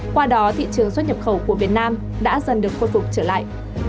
qua đó thị trường xuất nhập khẩu của việt nam đã dần được khôi phục trở lại